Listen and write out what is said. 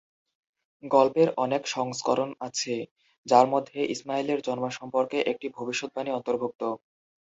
গল্পের অনেক সংস্করণ আছে, যার মধ্যে ইসমাইলের জন্ম সম্পর্কে একটি ভবিষ্যদ্বাণী অন্তর্ভুক্ত।